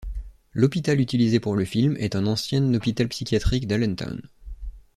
L'hôpital utilisé pour le film est un ancien hôpital psychiatrique d'Allentown.